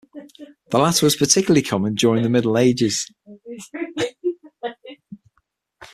The latter was particularly common during the Middle Ages.